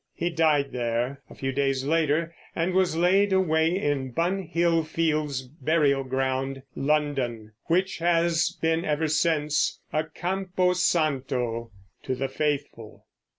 He died there a few days later, and was laid away in Bunhill Fields burial ground, London, which has been ever since a campo santo to the faithful.